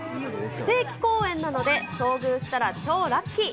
不定期公演なので、遭遇したら超ラッキー。